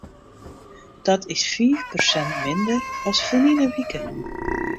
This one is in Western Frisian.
Dat is fiif persint minder as ferline wike.